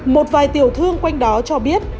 một vài tiểu thương quanh đó cho biết